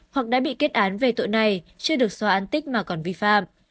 hoặc đã bị kết án về tội này chưa được xóa an tích mà còn vi phạm